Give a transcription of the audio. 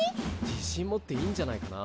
自信持っていいんじゃないかな。